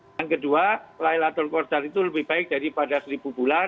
yang kedua laylatul qadar itu lebih baik daripada seribu bulan